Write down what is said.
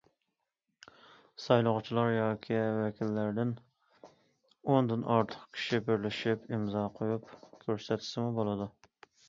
سايلىغۇچىلار ياكى ۋەكىللەردىن ئوندىن ئارتۇق كىشى بىرلىشىپ ئىمزا قويۇپ كۆرسەتسىمۇ بولىدۇ.